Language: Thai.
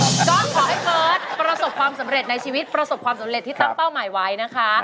ก็ขอให้เบิร์ตประสบความสำเร็จในชีวิตประสบความสำเร็จที่ตั้งเป้าหมายไว้นะคะ